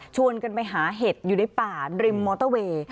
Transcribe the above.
กันไปหาเห็ดอยู่ในป่าริมมอเตอร์เวย์